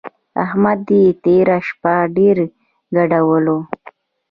احمد يې تېره شپه ډېر ګډولی وو.